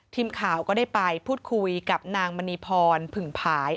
ทีมข่าวก็ได้ไปพูดคุยกับนางมณีพรผึ่งผาย